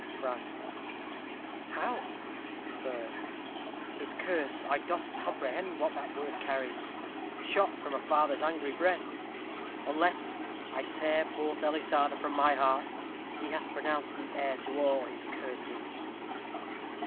Fran. How? Fer. His curse I dost comprehend what that word carries? Shot from a father's angry breath? Unless I tear poor Felisarda from my heart, He hath pronounced me heir to all his curses.